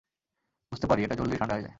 বুঝতে পারি, এটা জলদিই ঠান্ডা হয়ে যায়।